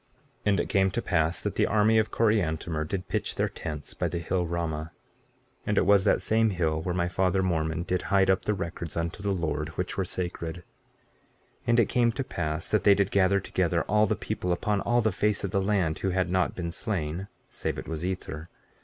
15:11 And it came to pass that the army of Coriantumr did pitch their tents by the hill Ramah; and it was that same hill where my father Mormon did hide up the records unto the Lord, which were sacred. 15:12 And it came to pass that they did gather together all the people upon all the face of the land, who had not been slain, save it was Ether.